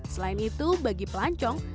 selain itu bagi pelancong